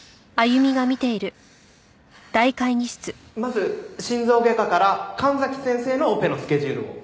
まず心臓外科から神崎先生のオペのスケジュールを。